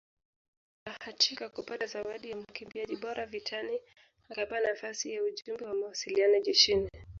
Alibahatika kupata zawadi ya mkimbiaji bora vitani akapewa nafasi ya ujumbe wa mawasiliano jeshini